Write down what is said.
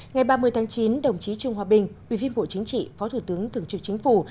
ngày ba mươi tháng chín đồng chí trung hoa bình ubnd phó thủ tướng thường trực chính phủ